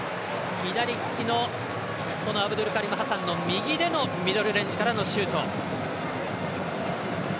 左利きのアブドゥルカリム・ハサンのミドルレンジからのシュート。